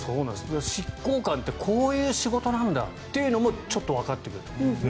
執行官ってこういう仕事なんだというのもわかってくると。